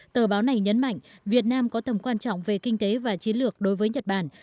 tờ báo này nhấn mạnh việt nam có tầm quan trọng về kinh tế và chiến lược đối với nhật bản